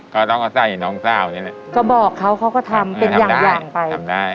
ก็ต้องเอาใส่น้องเศร้านี่แหละก็บอกเขาเขาก็ทำเป็นอย่างไปทำได้